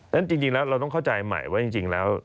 ฉะจริงแล้วเราต้องเข้าใจใหม่ว่าจริงแล้ว